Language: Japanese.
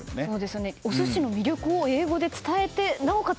お寿司の魅力を英語で伝えてなおかつ